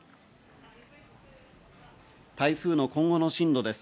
台風の今後の進路です。